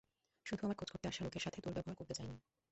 শুধু আমার খোঁজ করতে আসা লোকের সাথে দুর্ব্যবহার করতে চাইনি।